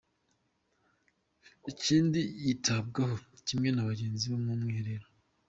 Ikindi yitabwagaho kimwe na bagenzi be mu mwihero.